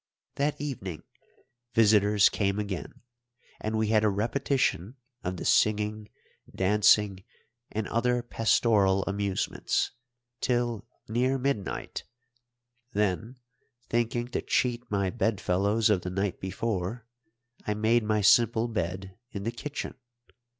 That evening visitors came again, and we had a repetition of the singing, dancing, and other pastoral amusements, till near midnight; then, thinking to cheat my bedfellows of the night before, I made my simple bed in the kitchen.